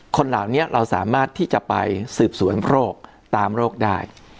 คนเหล่านี้เราสามารถที่จะไปสืบสวนโรคตามโรคได้